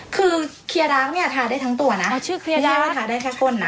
คือเคยรักเนี้ยทาได้ทั้งตัวนะไม่ว่าทาได้แค่พ่นนะ